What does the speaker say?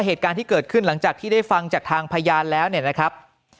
เหตุการณ์ที่เกิดขึ้นหลังจากที่ได้ฟังจากทางพยานแล้วเนี่ยนะครับ